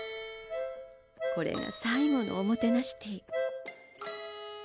これが最後のおもてなしティー。